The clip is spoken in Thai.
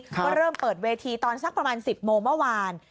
ก็เริ่มเปิดเวทีตอนสักประมาณ๑๐โมงเมื่อวาน